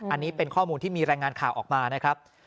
อันนี้เป็นข้อมูลที่มีรายงานข่าวออกมานะครับ